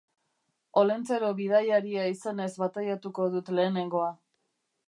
Olentzero bidaiaria izenez bataiatuko dut lehenengoa.